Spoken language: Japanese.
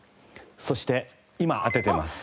そして今当てています。